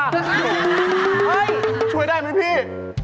เฮ่ยช่วยได้ไหมพี่